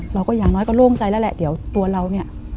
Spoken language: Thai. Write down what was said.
อย่างน้อยก็โล่งใจแล้วแหละเดี๋ยวตัวเราเนี่ย